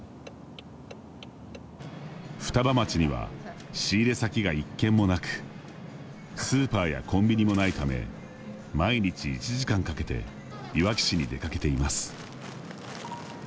双葉町には仕入れ先が１軒もなくスーパーやコンビニも無いため毎日１時間かけていわき市に出かけています。